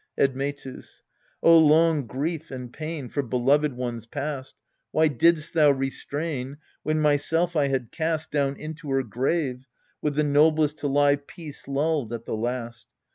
Admetus. Oh, long grief and pain For beloved ones passed ! Why didst thou restrain When myself I had cast Down into her grave, with the noblest to lie peace lulled at the last